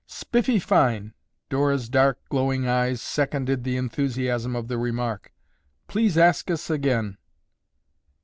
"Spiffy fine!" Dora's dark glowing eyes seconded the enthusiasm of the remark. "Please ask us again."